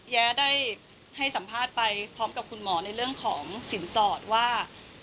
แย้ได้ให้สัมภาษณ์ไปพร้อมกับคุณหมอในเรื่องของสินสอดว่า